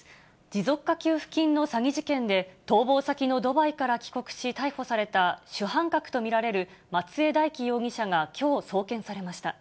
持続化給付金の詐欺事件で、逃亡先のドバイから帰国し、逮捕された主犯格と見られる、松江大樹容疑者がきょう、送検されました。